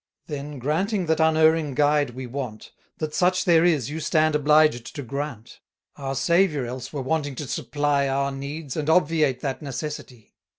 Then, granting that unerring guide we want, That such there is you stand obliged to grant: 480 Our Saviour else were wanting to supply Our needs, and obviate that necessity.